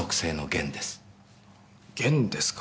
弦ですか。